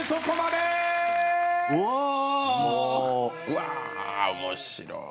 うわ面白い。